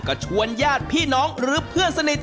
ก็ชวนญาติพี่น้องหรือเพื่อนสนิท